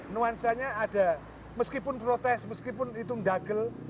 nuansanya ada meskipun protes meskipun itu mendagel